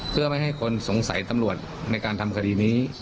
เพื่อไม่ให้คนสงสัยตำรวจในการทำคดีนี้